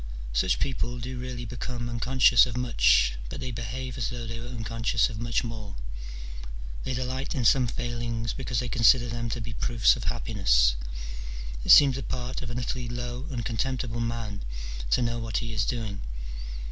Such people do really become unconscious of much, but they behave as though they were unconscious of much more: they delight in some failings because they consider them to be proofs of happiness : it seems the part of an utterly low and contemptible man to know what he is doing.